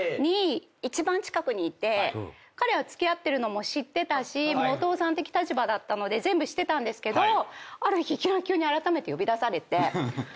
一番近くにいて彼は付き合ってるのも知ってたしお父さん的立場だったので全部知ってたんですけどある日いきなり急にあらためて呼び出されて。